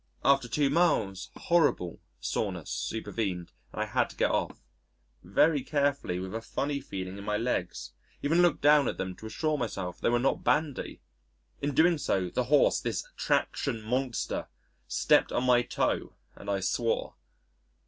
After two miles, horrible soreness supervened, and I had to get off very carefully, with a funny feeling in my legs even looked down at them to assure myself they were not bandy! In doing so, the horse this traction monster stepped on my toe and I swore.